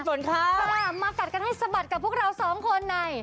กลับมากัดกันให้สบัดกับผู้เรา๒คนใน